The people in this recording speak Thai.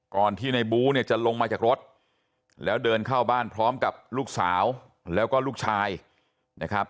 ที่ในบู้เนี่ยจะลงมาจากรถแล้วเดินเข้าบ้านพร้อมกับลูกสาวแล้วก็ลูกชายนะครับ